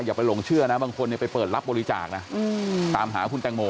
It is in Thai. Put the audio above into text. อย่าไปหลงเชื่อนะบางคนไปเปิดรับบริจาคนะตามหาคุณแตงโม